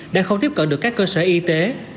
đang không tiếp cận được các cơ sở y tế